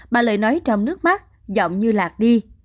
bà lợi nói trong nước mắt giọng như lạc đi